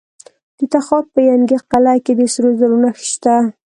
د تخار په ینګي قلعه کې د سرو زرو نښې شته.